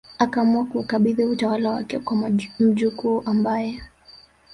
akaamua kuukabidhi utawala wake kwa mjukuu ambaye